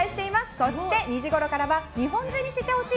そして、２時ごろからは日本中に知って欲しい！